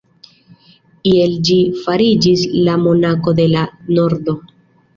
Iel ĝi fariĝis la Monako de la Nordo.